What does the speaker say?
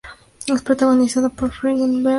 Es protagonizada por Elle Fanning y Ben Foster.